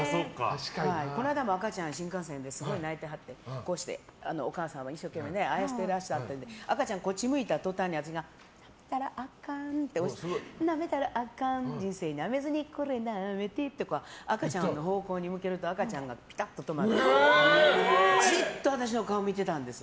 この間も赤ちゃん、新幹線ですごい泣いてはってお母さんが一生懸命あやしてらっしゃるんですけど赤ちゃん、こっち向いたとたんになめたらあかんなめたらあかん人生なめずにこれなめてって赤ちゃんの方向に向けると赤ちゃんがピタッと止まってじっと私の顔を見てたんです。